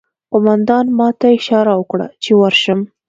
قومندان ماته اشاره وکړه چې ورشم